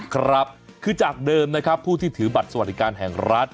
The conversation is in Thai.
ครับคือจากเดิมนะครับผู้ที่ถือบัตรสวัสดิการแห่งรัฐ